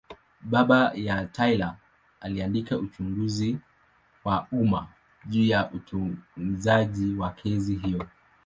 Baba ya Taylor alitaka uchunguzi wa umma juu ya utunzaji wa kesi hiyo.